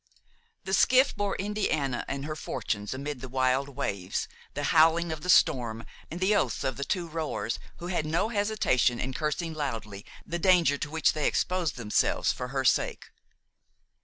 The skiff bore Indiana and her fortunes amid the wild waves, the howling of the storm and the oaths of the two rowers, who had no hesitation in cursing loudly the danger to which they exposed themselves for her sake.